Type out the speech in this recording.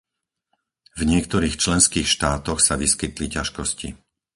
V niektorých členských štátoch sa vyskytli ťažkosti.